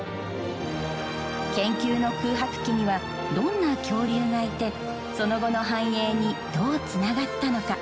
研究の空白期にはどんな恐竜がいてその後の繁栄にどうつながったのか。